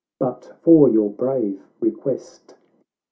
But, for your brave request.